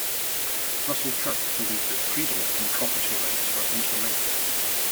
Russell Kirk believed that freedom and property rights were interlinked.